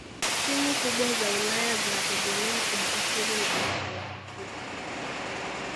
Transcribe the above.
timu kubwa za ulaya zinategemea umahiri wa nyota wa afrika